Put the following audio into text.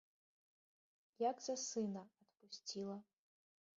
Як за сына, адпусціла.